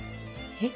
えっ？